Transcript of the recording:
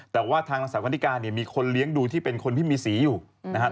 แต่ว่าทางนางสาวกรณิกามีคนเลี้ยงดูที่เป็นคนพิมพ์มีสีอยู่